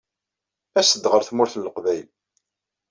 Aset-d ɣer Tmurt n Leqbayel.